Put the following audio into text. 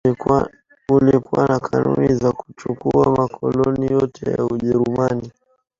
ulikuwa na kanuni za kuchukua makoloni yote ya Ujerumani